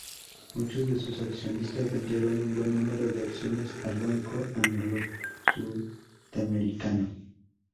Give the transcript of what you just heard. Muchos de sus accionistas vendieron un buen número de acciones al Banco Anglo-Sudamericano.